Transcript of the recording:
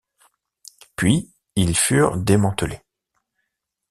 Puis ils furent démantelés.